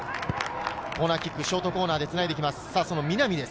コーナーキック、ショートコーナーでつないできます。